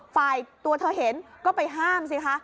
ตัวเธอเห็นก็ไปห้ามสิคะ